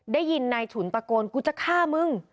ได้ยินนายฉุนตะโกนกูจะฆ่ามึง